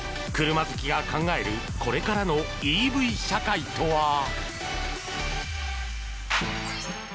車好きが考えるこれからのＥＶ社会とは？